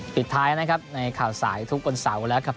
ปิดท้ายนะครับในข่าวสายทุกวันเสาร์แล้วครับ